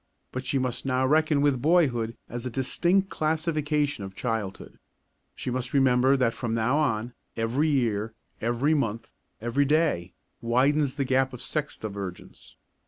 But she must now reckon with boyhood as a distinct classification of childhood. She must remember that from now on, every year, every month, every day, widens the gap of sex divergence.